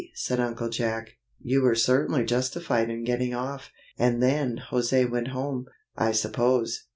said Uncle Jack. "You were certainly justified in getting off. And then José went home, I suppose?"